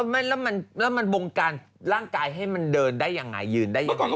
ไม่แล้วมันบงการร่างกายให้มันเดินได้ยังไงยืนได้ยังไง